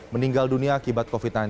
meninggal dunia akibat covid sembilan belas